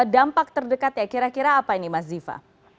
dampak terdekatnya kira kira apa ini mas diva